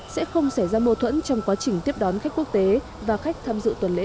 sẽ không xảy ra mâu thuẫn trong quá trình tiếp đón khách quốc tế và khách tham dự tuần lễ